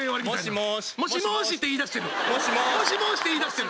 「もしもーし」って言いだしてる。